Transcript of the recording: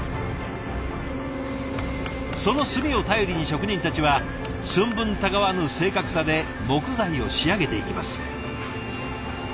その墨を頼りに職人たちは寸分たがわぬ正確さで木材を仕上げていきます。